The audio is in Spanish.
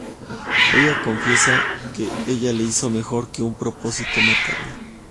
Ella confiesa que ella le hizo mejor con un propósito: matarlo.